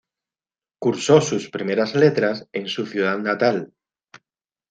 Cursó sus primeras letras en su ciudad natal.